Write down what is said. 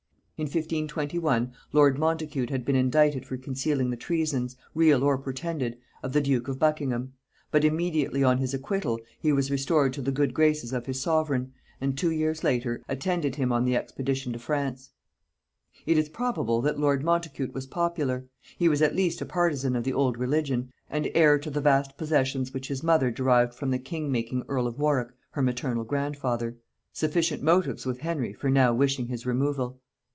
In 1521 lord Montacute had been indicted for concealing the treasons, real or pretended, of the duke of Buckingham; but immediately on his acquittal he was restored to the good graces of his sovereign, and, two years after, attended him on an expedition to France. It is probable that lord Montacute was popular; he was at least a partisan of the old religion, and heir to the vast possessions which his mother derived from the king making earl of Warwick her maternal grandfather; sufficient motives with Henry for now wishing his removal.